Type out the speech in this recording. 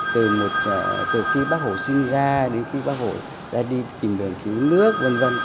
từ khi bác hổ sinh ra đến khi bác hổ ra đi tìm đường cứu nước v v